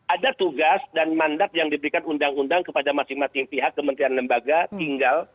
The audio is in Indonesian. ada tugas dan mandat yang diberikan undang undang kepada masing masing pihak kementerian lembaga tinggal